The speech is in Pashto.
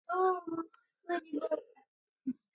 زموږ ګران هیواد افغانستان په غزني باندې پوره ډک هیواد دی.